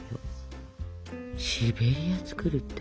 シベリア作るって。